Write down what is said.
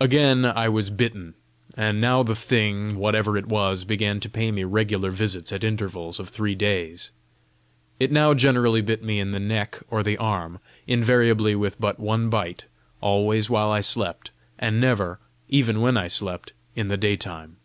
Again I was bitten; and now the thing, whatever it was, began to pay me regular visits at intervals of three days. It now generally bit me in the neck or the arm, invariably with but one bite, always while I slept, and never, even when I slept, in the daytime.